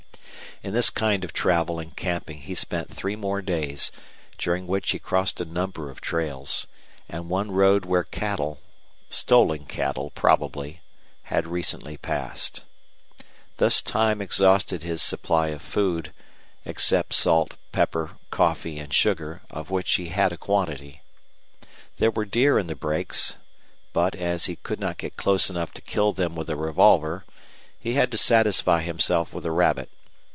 In this kind of travel and camping he spent three more days, during which he crossed a number of trails, and one road where cattle stolen cattle, probably had recently passed. Thus time exhausted his supply of food, except salt, pepper, coffee, and sugar, of which he had a quantity. There were deer in the brakes; but, as he could not get close enough to kill them with a revolver, he had to satisfy himself with a rabbit.